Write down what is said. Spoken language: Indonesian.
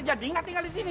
jadi nggak tinggal di sini